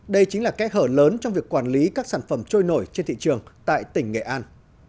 đây chính là kẽ hở lớn trong việc quản lý các sản phẩm trôi nổi trên thị trường tại tỉnh nghệ an